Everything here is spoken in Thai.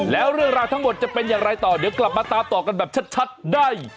แล้วเรื่องราวทั้งหมดจะเป็นอย่างไรต่อเดี๋ยวกลับมาตามต่อกันแบบชัดได้